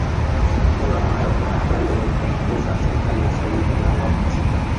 Pamoja na hayo wanahabari wameipongeza serikali hasa hii ya awamu ya sita